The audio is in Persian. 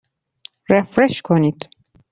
رفرش کنید